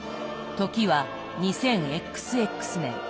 時は２０ＸＸ年。